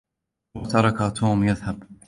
هو تركَ توم يذهب.